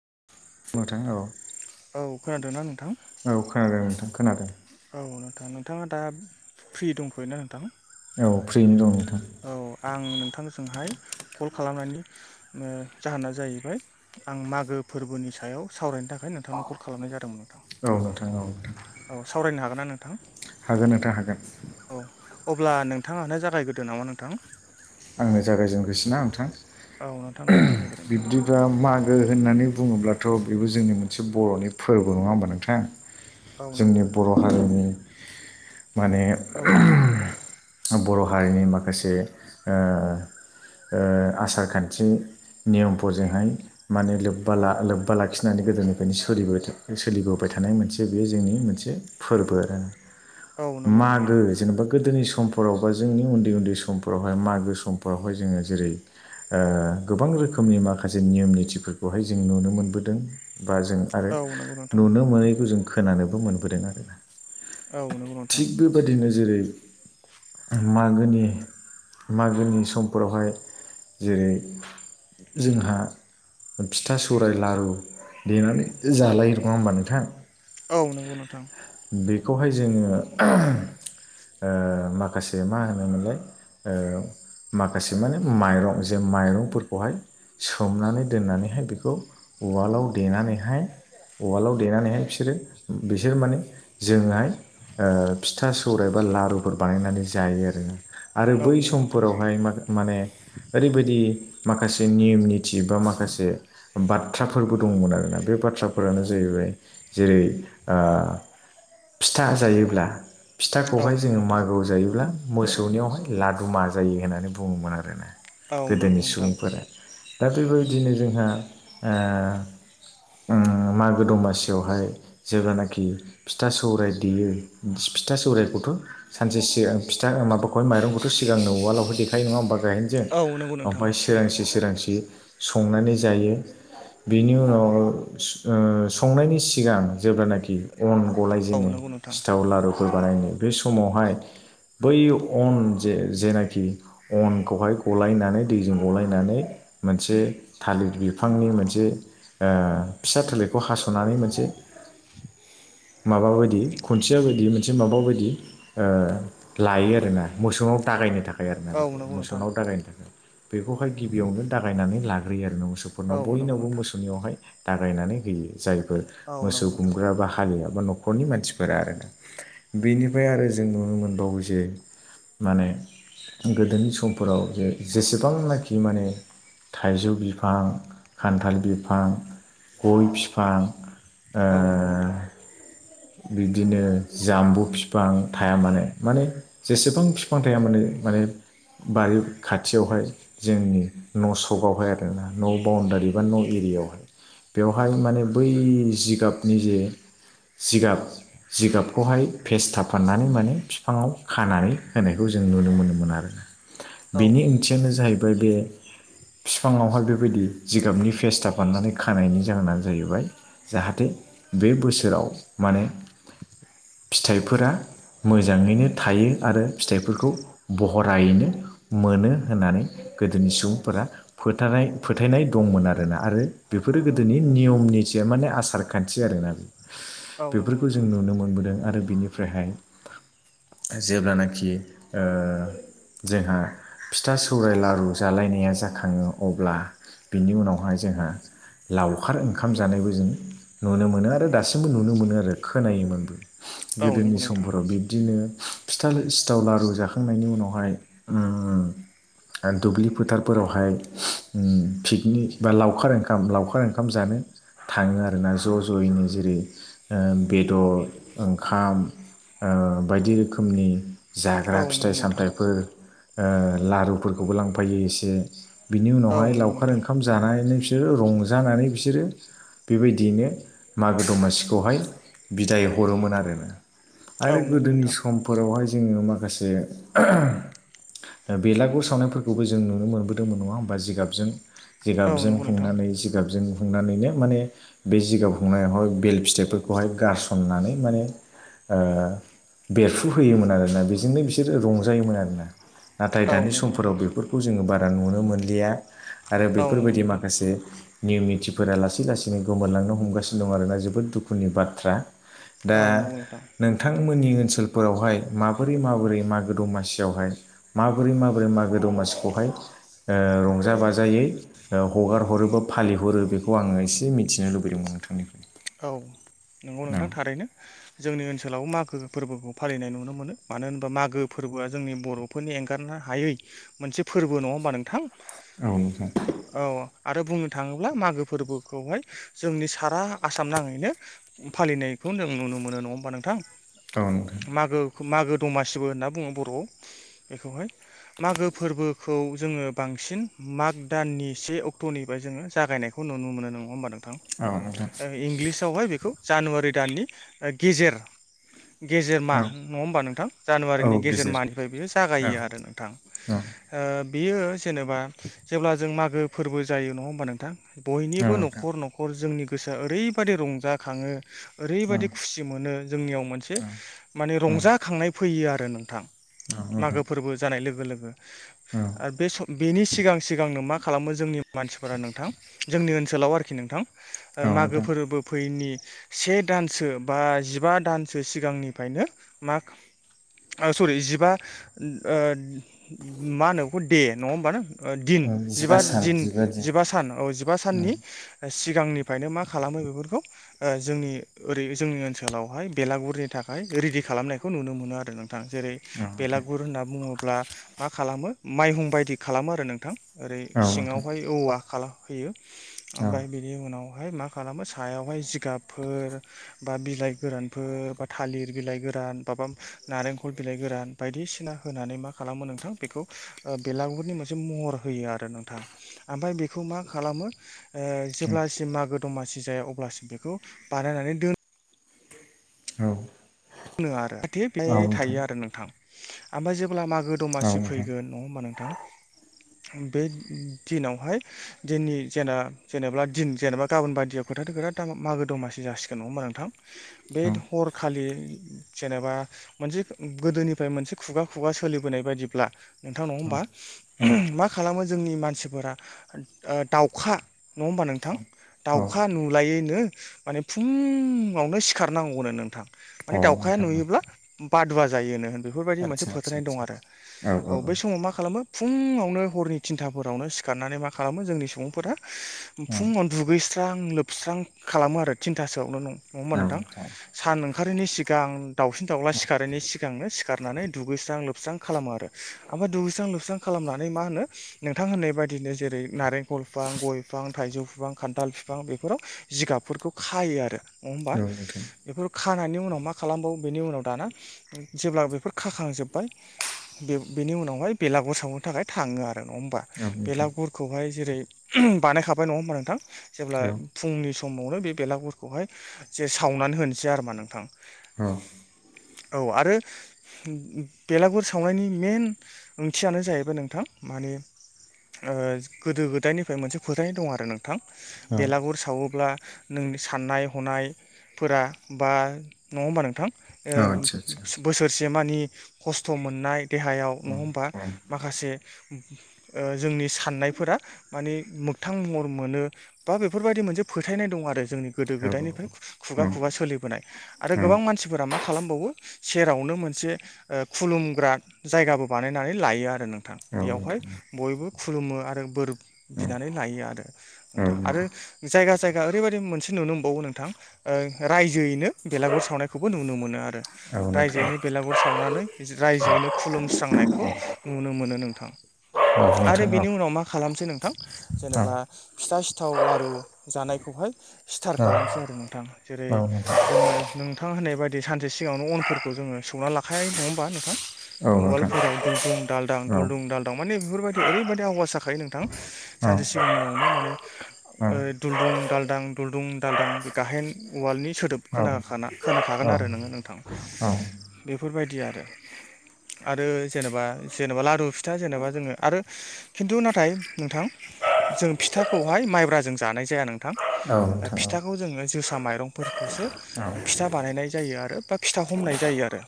[unintelligible] औ औ खोनादोंना नोंथां औ खोनादों नोंथां खोनादों औ नोंथां नोंथाङा दा फ्रि दंथ'यो ना नोंथां औ फ्रियैनो दं नोंथां औ आं नोंथांजोंहाय कल खालामनायनि जाहोना जाहैबाय आं मागो फोरबोनि सायाव सावराय बिनि थाखाय नोंथांनाव कल खालामनाय जादोंमोन औ नोंथां औ नोंथां औ सावरायनो हागोन ना नोंथां हागोन नोंथां हागोन औ अब्ला नोंथाङानो जागायग्रोदो नामा नोंथां आंनो जागायजेनग्रोनोसै ना नोंथां औ नोंथां नोंनो जागायग्रोदो नोंथां बिब्दिब्ला मागो होननानै बुं बुङोब्लाथ' बेबो जोंनि मोनसे बर'नि फोरबो नङा होमबा नोंथां औ जोंनि नंगौ बर' हारिनि माने औ नोंथां बर' हारिनि माखासे आसार खान्थि नियमफोरजोंहाय मानेलोब्बा लाखिनानै गोदोनिफ्रायनो सोलिबोबाय थायो थानाय मोनसे बे जोंनि मोनसे फोरबो आरो ना औ नंगौ नोंथां मागो जेनेबा गोदोनि समफोराव बा जोंनि उन्दै उन्दै समफोराव मागो समफ्रावहाय जोङो जेरै गोबां रोखोमनि माखासे नियम निथिफोरखौहाय जों नुनो मोनबोदों बा जों आरो औ नंगौ नोंथां नुनो मोनैखौ जों खोनानोबो मोनबोदों आरो औ नंगौ नोंथां थिग बेबायदिनो जेरै मागोनि मागोनि समफोरावहाय जेरै जोंहा फिथा सौराय लारु देनानै जालायो नङा होमबा नोंथां औ नंगौ नोंथां बेखौहाय जोङो ओ माखासे मा होनोमोनलाय माखासे माने माइरं जे माइरंफोरखौहाय सोमनानै दोननानैहाय बेखौ उवालाव देनानैहाय उवालाव देनानैहाय बिसोरो बिसोर माने जोंहाय ओ फिथा सौराय बा लारुफोर बानायनानै जायो आरोना आरो औ बै नंगौ नोंथां समफोरावहाय मा माने ओरैबायदि माखासे नियम निथि बा माखासे बाथ्राफोरबो दंमोन आरोना बे बाथ्राफोरानो जाहैबाय जेरै ओ फिथा जायोब्ला औ फिथाखौहाय नंगौ जोङो नोंथां मागो जायोब्ला मोसौनियावहाय लागुमा जायो होननानै बुङोमोन आरोना औ नंगौ गोदोनि नोंथां सुबुंफोरा दा बेबायदिनो जोंहा आ ओम मागो दमासियावहाय जेब्लानाखि फिथा सौराय देयो फिथा सौरायखौथ' सानसे सिगां फिथा माबाखौहायाइरंखौथ' सिगांनो उवालावबो देखायो नङा होमबा गायेनजों औ नंगौ नोंथां ओमफ्राय सोरांसि सोरांसि संनानै जायो बेनि उनाव ओ संनायनि सिगां जेब्लानाखि अन औ गलायजेनो नंगौ नोंथां सिथाव लारुफोर बानायनो बे समावहाय बै अन जे जेनाखि अनखौहाय गलायनानै दैजों गलायनानै मोनसे थालिर बिफांनि मोनसे ओ फिसा थोलिरखौ हास'नानै मोनसे माबा बायदि खुनथिया बायदि मोनसे माबा बायदिओ लायो आरोना मोसौनाव दागायनो थाखाय थाखाय आरोना औ बेखौ नंगौ नोंथां मोसौनाव दागायनो थाखाय बेखौहाय गिबियावनो दागायनानै लाग्रोयो आरोना औ मोसौफोरनाव नंगौ बयनावबो नोंथां मोसौनियावहाय दागायनानै होयो जायफोर औ मोसौ नंगौ नोंथां गुमग्रा बा हालेव ग्रख न'खरनि मानसिफोरा आरो ना बेनिफ्राय आरो जों नुनो मोनबावो जे माने गोदोनि समफोराव जे जेसेबांनाखि माने थाइजौ बिफां खानथाल बिफां गय बिफां औ नंगौ नोंथां ओ बिदिनो जामबु फिफां थाया मानो माने जेसेबां बिफां थाया माने माने बारि खाथियावहाय जोंनि न' सकआवहाय आरोना न' बाउण्डारि बा न' एरि दैयावहाय बेवहाय माने बै जिगाबनि जे जिगाब जिगाबखौहाय फेसथा फाननानै माने बिफाङाव खानानै होनायखौ जों नुनो मोनोमोन आरो औ बेनि नंगौ नोंथां ओंथियानो जाहैबाय बे [inaudible] बिफाङावहाय बेबायदि जिगाबनि फेसथा फाननानै खानायनि जाहोनानो जाहैबाय जाहाथे बे बोसोराव माने फिथाइफोरा मोजाङैनो थायो आरो फिथाइफोरखौ बरहायैनो मोनो होननानै गोदोनि सुबुंफोरा फोथाय फोथायनाय दंमोन आरोना आरो बेफोरो गोदोनि नियमनि मया [unintelligible] माने आसार खानथि आरोना बे औ नंगौ बेफोरखौ जों नोंथां नुनो मोनबोदों आरो बेनिफ्रायहाय जेब्लानाखि ओ जोंहा फिथा सौराय लारु जालायनाया जाखाङो अब्ला बिनि उनावहाय जों जों लावखार ओंखाम जानायबो जों नुनो मोनो आरो दासिमबो नुनो मोनो आरो खोनायोमोनबो औ गोदोनि नंगौ नोंथां समफोराव बिब्दिनो फिथा सिथाव लारु जाखांनायनि उनावहाय ओम ओम दुब्लि फोथारफोरावहाय ओम पिकनिक बा लावखार ओंखाम लावखार ओंखाम जानो थाङो आरोना ज' ज'यैनो जेरै ओ बेदर ओंखाम ओ बायदि रोखोमनि औ जाग्रा फिथाइ नंगौ नोंथां सामथाइफोर ओ लारुफोरखौबो लांफायो एसे बिनि औ उनावहाय नंगौ लावखार नोंथां ओंखाम जानाय रो रंजानानै बिसोरो बेबायदियैनो मागो दमासिखौ खौहाय बिदाय हरोमोन आरोना आरो औ नंगौ नोंथां गोदोनि समफोरावहाय जोंनियाव माखासे बेलागुर सावनायफोरखौबो जों नुनो मोनबोदोंमोन नङा होमबा जिगाबजों औ जिगाबजों नंगौ नोंथां हुंनानै जिगाबजों हुंनानैनो माने बे जिगाब हुंनायावहाय बेल फिथाइ खौहाय गारसननानै माने बेरफु होयोमोन आरोना बेजोंनो बिसोरो रंजायोमोन आरोना नाथाय औ नंगौ नोंथां औ दानि नंगौ नोंथां समफोराव बेफोरखौ जोङो बारा नुनो मोनलिया आरो औ नंगौ बेफोरबायदि माखासे नियम निथिफोरा लासै लासै गोमोरलांनो हमगासिनो दं आरोना जोबोद दुखु दुखुनि बाथ्रा दा नोंथां नोंथांमोननि ओनसोलफोरावहाय माबोरै माबोरै मागो दमासियावहाय माबोरै माबोरै मागो दमासिखौहाय रंजा बाजायै हगार हरो बा फालिहरो बेखौ आङो एसे मिथिनो लुबैदोंमोन नोंथांनिफ्राय औ नंगौ औ नोंथां थारैनो जोंनि ओनसोलाव मा गो फोरबोखौ फालिनाय नुनो मोनो मानो होनोबा मागो फोरबोआ जोंनि बर'फोरनि एंगारनो हायै मोनसे से फोरबो नङा होमबा नोंथां औ नोंथां औ आरो बुंनो थाङोब्ला मागो फोरबोखौहाय जोंनि सारा आसाम नाङैनो फालिनायखौ जों नुनो मोनो नङा होमबा नोंथां औ नोंथां मागो मागो दमासिबो होनना बुङो बर'आव बेखौहाय मागो फोरबोखौ जोङो बां सिन माग दाननि से अक्ट'निफ्राय जोङो जागायनायखौ नुनो मोनो नङा होमबा नों औ नोंथां इंलिसयावहाय बेखौ जानुवारि दाननि गेजेर गेजेर मा औ नङा होमबा नोंथां जानुवारिनि गेजेर माहानिफ्राय बियो औ जागायो आरो नोंथां औ बेयो जेनेबा जेब्ला जों मागो फोरबो जायो नङा होमबा नोंथां औ बयनिबो नोंथां न'खर न'खर जोंनि गोसोआ ओरैबादि रंजाखाङो औ ओरैबायदि खुसि मोनो जोंनियाव मोनसे माने रंजाखांनाय फैयो आरो नोंथां नोंथां मागो फोरबो जानाय लोगो लोगो औ आरो बे सम बेनि सिगां सिगांनो मा खालामो जोंनि मानसिफोरा नोंथां जोंनि ओनसोलाव आरोखि नोंथां औ मागो नोंथां फोरबो फैयिनि से दानसो बा जिबा दानसो सिगांनिफ्रायनो मा सरि जिबा मा होनो बेखौ दे नङा होमबा ना दिन जिबा दिन जिबा सान औ जिबा साननि सिगांनि फ्रायनो मा खालामो बेफोरखौ जोंनि ओरै जोंनि ओनसोलावहाय बेलागुरनि थाखाय रेडि खालाम खालामनायखौ नुनो मोनो आरो नों थां जेरै औ नोंथां बेलागुर होनना बुङोब्ला मा खालामो माइहुं बायदि खालामो आरो नोंथां ओरै औ नोंथां सिङावहाय औवा खालामहोयो औ ओमफ्राय बिनि उनाव बेहाय मा खालामो सायावहाय जिगाबफोर बा बिलाइ गोरानफोर बा थालिर बिलाइ गोर न नालेंखर बिलाइ गोरान बायदिसिना होनानै मा खालामो नोंथां बेखौ बेला नि मोनसे महर होयो आरो नोंथां ओमफ्राय बेखौ मा खालामो जेब्लासिम मागो दमासि जाया अब्लासिम बेखौ बानायनानै दोनो औ नो आरो [unintelligible] नोंथां थायो आरो नोंथां ओमफ्राय जों अब्ला मागो औ दमासि नोंथां फैगोन नङा होमबा नोंथां बे दिनावहाय दिननि जेनना जेनेबा दिन जेनेबा गाबोन बायदियाव खोथाथ' खोथा दाथ' मागो दमासि जासिगोन नङा होनोमा नोंथां बे औ हरखालि जेनेबा मोनसे गोदोनिफ्राय मोनसे खुगा खुगा सोलिबोनाय बायदिब्ला नोंथां नङा होमबा मा खालामो जोंनि मानसिफोरा दाउखा नङा होमबा नोंथां औ दाउखा नुलायैनो माने फुङावनो सिखारनांगौनो नोंथां माने अ दाउखाया नोंथां औ नुयोब्ला बादुवा जायोनो बेफोरबायदि मोनसे आदसा आदसा फोथारनाय दं आदसा आरो औ बै समाव मा खालामो फुङावनो हरनि थिनथाफोरावनो सिखारनानै मा खालामो जोंनि सुबुंफोरा औ फुङाव दुगैस्रां लोबस्रां खालामो आरो थिनथासोआवनो न नङा होमबा नोंथां सान ओंखारनि सि गां दाावसिन दाउला सिखारनायनि सिगांनो सिखारनानै दुगैस्रां लोबस्रां खालामो आरो ओमफ्राय दुगैस्रां लोबस्रां खालामनानै मा होनो नोंथां होननाय बादिनो जेरै नारें कल बिफां गय बिफां थाइजौ बिफां खान्थाल बिफां बेफोराव जिगाबफोरखौ खायो आरो न होमबा औ नोंथां बेफोर खानायनि उनाव मा खालामबावो बेनि उनाव दाना जेब्ला बेफोर खाखांजोब्बाय बे बेनि उनावहाय बेलागुर सावनो थाखाय थाङो आरो आरो नङा होमबा औ नोंथां बेलागुरखौहाय जेरै बानायखाबाय नङा होमबा नोंथां जेब्ला औ फुंनि समावनो बे बेलागुरखौहाय जे सावनानै होनोसै आरोमा नोंथां औ औ आरो बेलागुर सावनायनि मइेन ओंथियानो जाहैबाय नोंथां माने ओ गोदो गोदायनिफ्राय मोनसे फोथायनाय दं आरो नों थां बेलागुर सावोब्ला नोंनि साननाय हनायफोरा बा नङा होमबा नोंथां ओ आदसा आदसा बोसोरसे मानि खस्थ' मोननाय देहायाव नङ होमबा माखासे ओ जोंनि साननायफोरा माने मोगथां महर मोनो बा बेफोरबायदि मोनसे फोथायनाय दङ आरो जोंनि औ गोदो औ गोदायनिफ्राय खुगा खुगा औ नोंथां औ नोंथां औ सोलिबोनाय आरो गोबां मानसिफोरा मा खालामबावो सेरावनो मोनसे खुलुमग्रा जायगाबो बानायनानै लायो आरो नों थां नोंथां औ नोंथां औ नोंथां औ नोंथां औ नोंथां औ बेयावहाय बयबो खुलुमो आरो बोर बिनानै लायो आरो नोंथां आरो जायगा जाय गा ओरैबायदि मोनसे नुनो मोनबावो नोंथां रायजोयैनो बेलागुर सावनायखौबो नुनो मोनो आरो रायजोयैनो बेलागुर सावनानै रायजोयैनो खुलुमस्रां नायखौ नुनो मोनो नोंथां आरो बिनि उनाव मा खालामसै नोंथां जेनेबा फिथा सि थाव लारु जानायखौहाय सिथार्ट खालामनोसै आरो नोंथां जेरै जोङो नोंथां होननाय बायदि सानसे सिगाङावनो अनफोरखौ जोङो सौना लाखायो नङा होमबा नोंथां उवालफोराव दुलदुं दालदां दुलदुं दालदां माने बेफोरबायदि ओरैबायदि आवासा जा खायै नोंथां सानसे सिगांनियावनो माने ओ दुलुुं दालदां दुलदुं दालदां बे गाहेन वालनि सोदोब खोनाखाना खोनाखागोन आरो नोङो नोंथां बेफोरबायदि आरो आरो जेनेबा जेनेबा लारु फिथा जेनेबा जोङो आरो खिन्थु नाथाय नोंथां जों फिथाखौहाय माइब्राजों जानाय जाया नोंथां फिथाखौ जोङो जोसा माइरंफोरखौसो फिथा बानायनाय जायो आरो बा फिथा हमनाय जायो आरो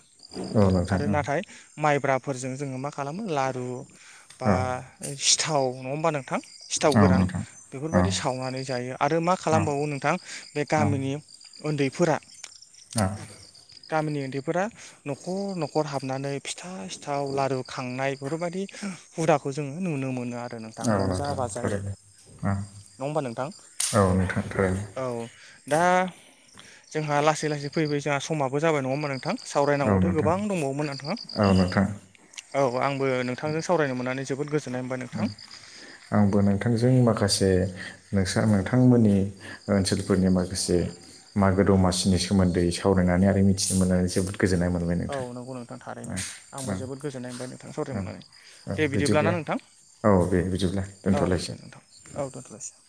नोंथां आरो नाथाय माइब्राफोरजों जोङो मा खालामो लारु बा औ औ सिथाव नङा होमबा नोंथां सिथाव औ गोरान नोंथां औ बेफोरबायदि सावनानै जायो आरो मा औ खालामबावो नोंथां बे औ गामिनि उन्दै फोरा गामिनि उन्दैफोरा न'खर न'खर हाबनानै फिथा सिथाव लारु खांनाय बेफोरबायदि हुदाखौ जोङो नुनो मोनो आरो नोंथां औ रंजा औ बाजायै थारैनो औ नङा होमबा नोंथां औ नोंथां थारैनो औ दा जोंहा लासै लासै फैबाय जोंहा समाबो जाबाय नङा होमबा नोंथां औ सावरायनांगौथ' नोंथां गोबां दंबावोमोन नोंथाङा औ नोंथां औ आंबो नोंथांजों सावरायनो मोननानै जोबोद गोजोननाय मोनबाय उम नोंथां आंबो नोंथांजों माखासे नोंसा नोंथांमोननि ओनसोलफोरनि माखासे मा गो दमासिनि सोमोन्दै सावरायनानै आरो मिथिनो मोननानै जोबोद गोजोननाय मोनबाय औ नोंथां नंगौ नोंथां थारैनो आंबो जोबोद गोजोन्नाय मोनबाय नोंथां सावरायनो मोननानै औ दे बिदिब्लाना बिदिब्ला नोंथां औ दे बिदिब्ला औ दोनथ'लायसै दे नोंथां औ दोनथ'लायसै